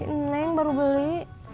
si neng baru beli